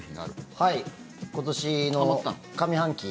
はい、今年の上半期